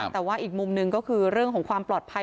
แต่ว่าอีกมุมหนึ่งก็คือเรื่องของความปลอดภัย